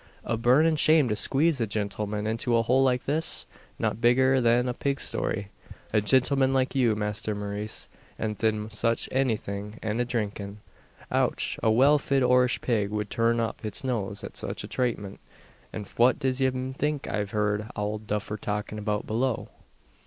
"A burnin' shame to squeeze a gintleman into a hole like this, not bigger than a pig stoy! A gintleman like you, Masther Maurice. An' thin such aytin' and drinkin'. Och! a well fid Oirish pig wud turn up its nose at such traytment. An' fwhat div yez think I've heerd Owld Duffer talkin' about below?"